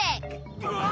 うわ！